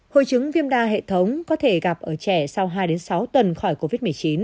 hội chứng viêm đa hệ thống có thể gặp ở trẻ sau hai sáu tuần khỏi covid một mươi chín